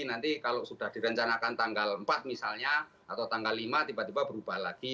nanti kalau sudah direncanakan tanggal empat misalnya atau tanggal lima tiba tiba berubah lagi